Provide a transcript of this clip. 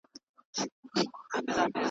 زه پوهېدم څوک به دي نه خبروي .